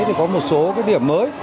thì có một số điểm mới